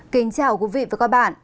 kính chào quý vị và các bạn